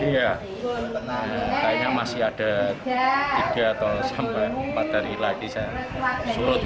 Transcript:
saya ingin masih ada tiga atau empat hari lagi saya surut